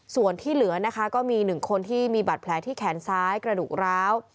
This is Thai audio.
ส่วนที่เหลือนะคะก็มี๑คนที่มีบัตรแผลที่แขนซ้ายกระดูกร้าว